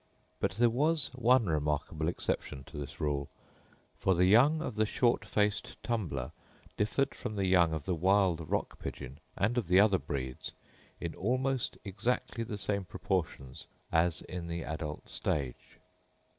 But there was one remarkable exception to this rule, for the young of the short faced tumbler differed from the young of the wild rock pigeon, and of the other breeds, in almost exactly the same proportions as in the adult stage.